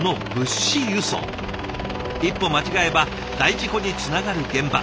一歩間違えば大事故につながる現場。